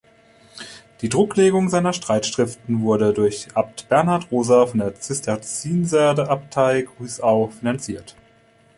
Die Drucklegung seiner Streitschriften wurde durch Abt Bernhard Rosa von der Zisterzienserabtei Grüssau finanziert.